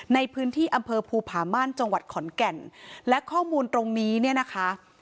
ในพื้นที่อำเภอภูผาม่านจังหวัดขอนแก่นและข้อมูลตรงนี้เนี่ยนะคะ